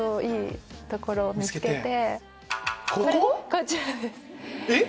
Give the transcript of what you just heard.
こちらです。